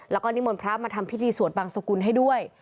แล้วก็นิมนต์พระมาทำพิธีสวดบังสกุลให้ด้วย